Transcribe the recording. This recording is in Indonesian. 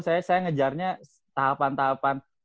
saya ngejarnya tahapan tahapan